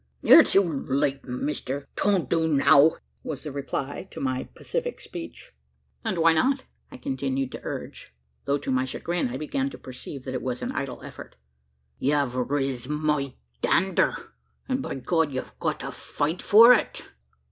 "Yur too late, mister! 'twon't do now," was the reply to my pacific speech. "And why not?" I continued to urge; though to my chagrin, I began to perceive that it was an idle effort. "Yuv riz my dander; an', by God! yuv got to fight for it!"